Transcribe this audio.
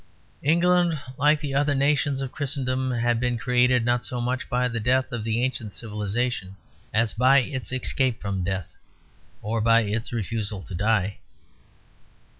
England, like the other nations of Christendom, had been created not so much by the death of the ancient civilization as by its escape from death, or by its refusal to die.